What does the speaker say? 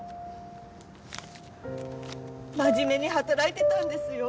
真面目に働いてたんですよ